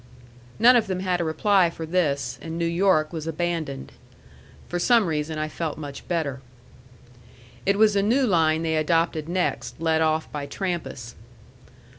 None of them had a reply for this, and New York was abandoned. For some reason I felt much better. It was a new line they adopted next, led off by Trampas.